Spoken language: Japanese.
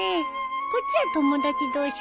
こっちは友達同士かなあ。